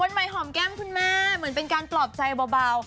ใหม่หอมแก้มคุณแม่เหมือนเป็นการปลอบใจเบา